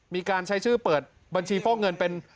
มีการใช้ชื่อเปิดบัญชีฟอกเงินเป็น